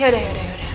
yaudah yaudah yaudah